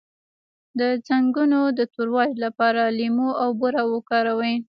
د زنګونونو د توروالي لپاره لیمو او بوره وکاروئ